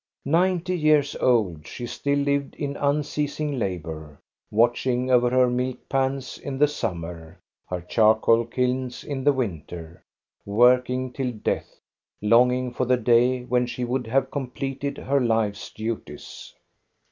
Ninety years old, she still lived in unceasing labor, watching over her milk pans in the summer, her charcoal kilns in the winter, working till death, longing for the day when she would have completed her life's duties.